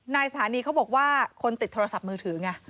สถานีเขาบอกว่าคนติดโทรศัพท์มือถือไง